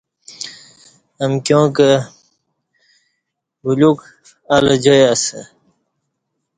امکیاں کہ بلیوک الہ جائی اسہ